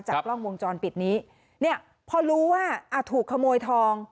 กล้องวงจรปิดนี้เนี่ยพอรู้ว่าอ่ะถูกขโมยทอง